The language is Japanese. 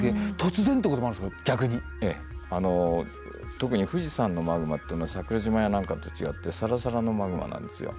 特に富士山のマグマっていうのは桜島やなんかと違ってサラサラのマグマなんですよ。